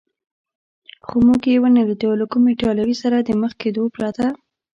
خو موږ یې و نه لیدو، له کوم ایټالوي سره د مخ کېدو پرته.